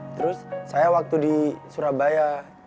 terus saya waktu di surabaya